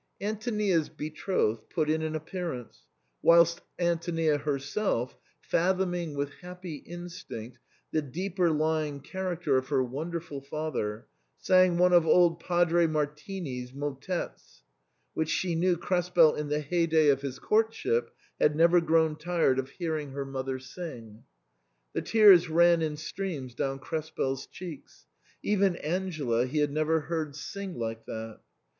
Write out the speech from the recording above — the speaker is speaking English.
Antonias betrothed put in an appearance, whilst Anto nia herself, fathoming with happy instinct the deeper lying character of her wonderful father, sang one of old Padre Martini's * motets, which, she knew, Krespel in the heyday of his courtship had never grown tired of hearing her mother sing. The tears ran in streams down Krespel's cheeks ; even Angela he had never heard sing like that.